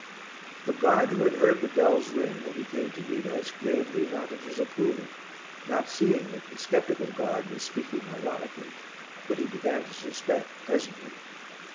The guard who had heard the bells ring, when he came to meet us, gravely nodded his approval, not seeing that the sceptical guard was speaking ironically, but he began to suspect presently.